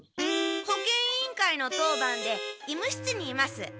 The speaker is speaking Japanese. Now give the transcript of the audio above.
保健委員会の当番で医務室にいます。